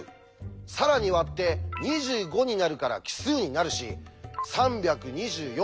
更に割って２５になるから奇数になるし３２４